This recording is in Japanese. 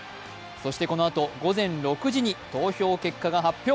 そしてこのあと、午前６時に投票結果が発表。